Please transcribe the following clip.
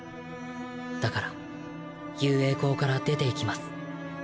だから雄英高から出て行きます。